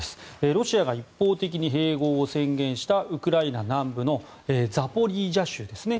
ロシアが一方的に併合を宣言したウクライナ南部のザポリージャ州ですね。